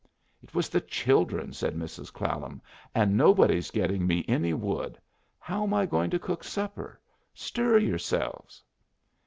"It was the children," said Mrs. Clallam. "And nobody's getting me any wood. How am I going to cook supper? Stir yourselves!"